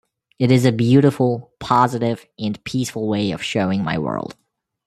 It is a beautiful, positive, and peaceful way of showing my world.